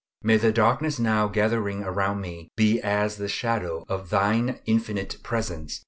May the darkness now gathering around me be as the shadow of Thine infinite presence.